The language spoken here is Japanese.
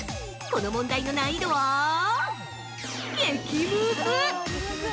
この問題の難易度は激ムズ！